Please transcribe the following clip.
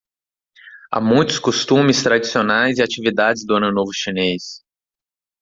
Há muitos costumes tradicionais e atividades do Ano Novo Chinês